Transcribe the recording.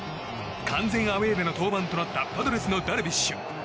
完全アウェーでの登板となったパドレスのダルビッシュ。